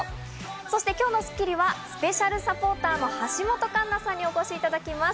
そして今日の『スッキリ』はスペシャルサポーターの橋本環奈さんにお越しいただきます。